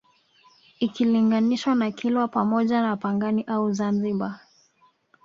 Ikilinganishwa na Kilwa pamoja na Pangani au Zanzibar